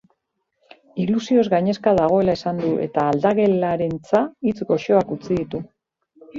Ilusioz gainezka dagoela esan du eta aldagelarentza hitz goxoak utzi ditu.